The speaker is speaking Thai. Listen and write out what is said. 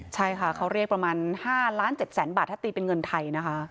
ใช่ค่ะเขาเรียกประมาณ๕ล้าน๗แสนบาทถ้าตีเป็นเงินไทยนะคะ